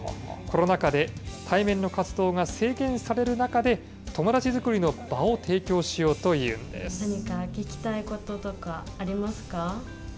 コロナ禍で対面の活動が制限される中で、友達作りの場を提供しようというんです。